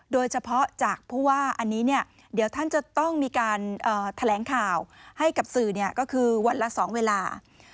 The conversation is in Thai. โดยเฉพาะจากผู้ว่าอันนี้เนี่ยเดี๋ยวท่านจะต้องมีการแถลงข่าวให้กับสื่อก็คือวันละ๒เวลา